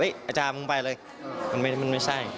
อาจารย์มึงไปเลยมันไม่ใช่